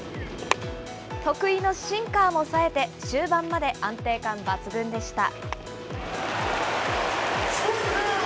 得意のシンカーもさえて、終盤まで安定感抜群でした。